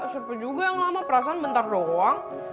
serpi juga yang lama perasaan bentar doang